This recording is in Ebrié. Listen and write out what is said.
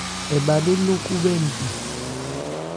Ɛ bha lê ló khúbhɛ́ npi.